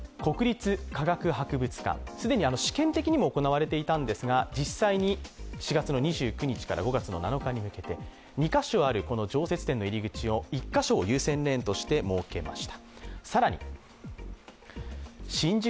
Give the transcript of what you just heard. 既に試験的にも行われていたんですが実際に４月２９日から５月７日、２か所ある常設展の入り口を１か所を優先レーンとして設けました